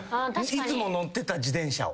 いつも乗ってた自転車を。